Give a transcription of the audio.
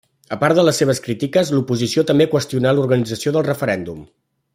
A part de les seves crítiques, l'oposició també qüestionà l'organització del referèndum.